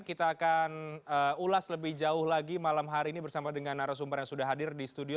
kita akan ulas lebih jauh lagi malam hari ini bersama dengan narasumber yang sudah hadir di studio